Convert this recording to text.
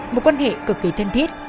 một quan hệ cực kỳ thân thiết